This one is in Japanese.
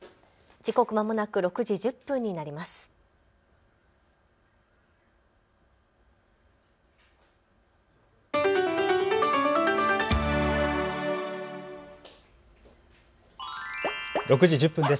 時刻まもなく６時１０分になります。